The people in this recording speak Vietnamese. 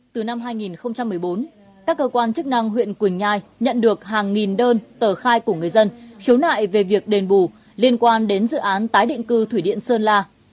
từ năm hai nghìn một mươi bốn các cơ quan chức năng huyện quỳnh nhai nhận được hàng nghìn đơn tờ khai của người dân khiếu nại về việc đền bù liên quan đến dự án tái định cư thủy điện sơn la